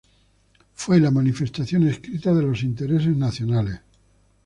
Fue la manifestación escrita de los intereses nacionales.